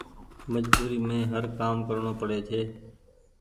مجبوري مين هر ڪآم ڪرڻو پڙي ڇي۔